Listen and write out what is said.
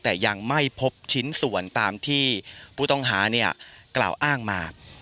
แต่ยังไม่พบชิ้นส่วนตามที่ผู้ต้องหากล่าวอ้างมา